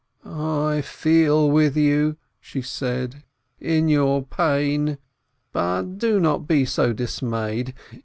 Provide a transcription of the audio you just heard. "I feel with you," she said, "in your pain. But do not be so dismayed.